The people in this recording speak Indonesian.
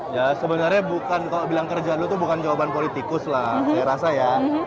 ya sebenarnya bukan kalau bilang kerja dulu itu bukan jawaban politikus lah saya rasa ya